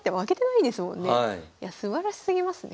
いやすばらしすぎますね。